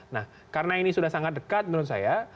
nah karena ini sudah sangat dekat menurut saya